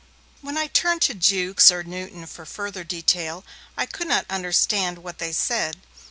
When I turned to Jukes or Newton for further detail, I could not understand what they said.